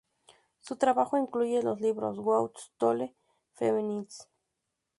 Su trabajo incluye los libros "Who Stole Feminism?